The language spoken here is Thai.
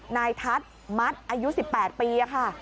นายทัศน์มัดอายุ๑๘ปีค่ะ